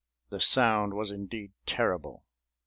The sound was indeed terrible.